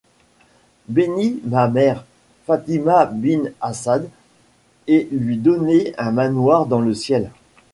Bénis ma mère, Fatima bint Asad, et lui donner un manoir dans le ciel.